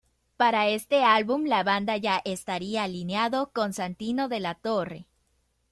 Para este álbum la banda ya estaría alineado con Santino de la Torre.